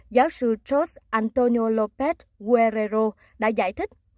giáo sư george antonio lopez guerrero đã giải thích